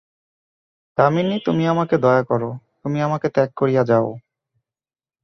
দামিনী, তুমি আমাকে দয়া করো, তুমি আমাকে ত্যাগ করিয়া যাও।